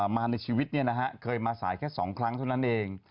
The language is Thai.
มาในชีวิตเคยมาสายแค่๒ครั้งเท่านั้นเอง